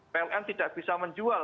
pln tidak bisa menjual